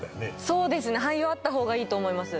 そうですね「俳優」はあったほうがいいと思います